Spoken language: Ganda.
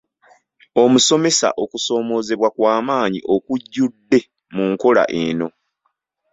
Omusomesa, okusoomoozebwa kwa maanyi okujjudde mu nkola eno.